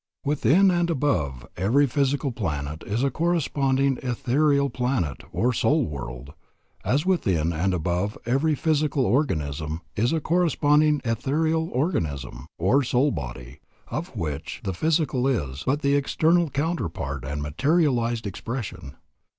Within and above every physical planet is a corresponding ethereal planet, or soul world, as within and above every physical organism is a corresponding ethereal organism, or soul body, of which the physical is but the external counterpart and materialized expression.